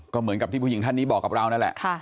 ก็เหมือนกับที่ผู้หญิงท่านนี้บอกกับเรานั่นแหละ